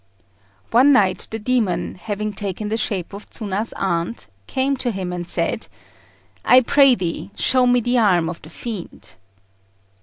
One night the demon, having taken the shape of Tsuna's aunt, came to him and said, "I pray thee show me the arm of the fiend."